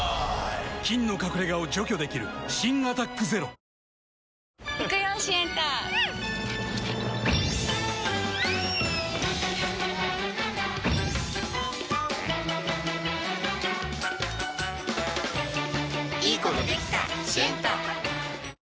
菌の隠れ家を除去できる新「アタックＺＥＲＯ」ミチノカミ様！